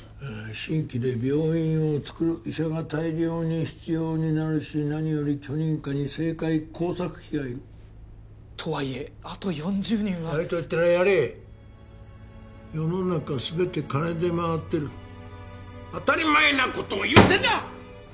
新規で病院をつくる医者が大量に必要になるし何より許認可に政界工作費がいるとはいえあと４０人はやれと言ったらやれ世の中全て金で回ってる当たり前なことを言わせるな！